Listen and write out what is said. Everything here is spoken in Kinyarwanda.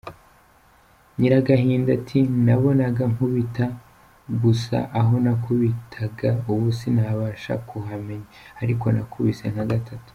Nyiragahinda ati: “Nabonaga nkubita gusa, aho nakubitaga ubu sinabasha kuhamenya, ariko nakubise nka gatatu”.